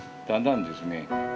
だんだんですね